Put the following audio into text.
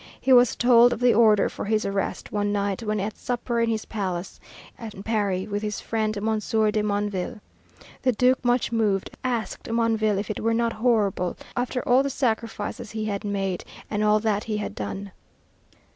He was told of the order for his arrest one night when at supper in his palace in Paris with his friend Monsieur de Monville. The Duke, much moved, asked Monville if it were not horrible, after all the sacrifices he had made and all that he had done.